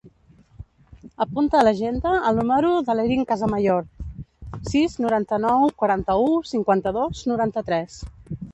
Apunta a l'agenda el número de l'Erin Casamayor: sis, noranta-nou, quaranta-u, cinquanta-dos, noranta-tres.